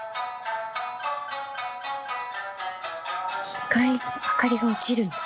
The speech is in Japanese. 一回明かりが落ちるんだ。